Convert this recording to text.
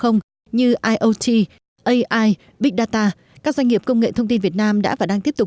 như iot ai big data các doanh nghiệp công nghệ thông tin việt nam đã và đang tiếp tục